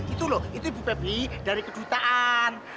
itu loh itu ibu febri dari kedutaan